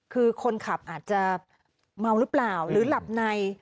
คือคนขับอาจจะเมาหรือเปล่าหรือหลับใน